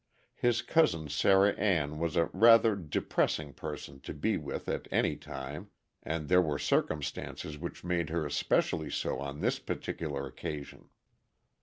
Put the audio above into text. His cousin Sarah Ann was a rather depressing person to be with at any time, and there were circumstances which made her especially so on this particular occasion.